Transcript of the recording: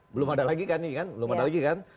belum ada lagi kan ini kan belum ada lagi kan